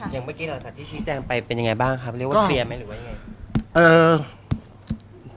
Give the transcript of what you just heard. อย่างเมื่อกี้หลังจากที่ชี้แจงไปเป็นยังไงบ้างครับเรียกว่าเคลียร์ไหมหรือว่ายังไง